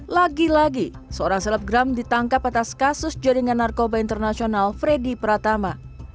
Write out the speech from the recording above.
lagi lagi seorang selebgram ditangkap atas kasus jaringan narkoba internasional freddy pratama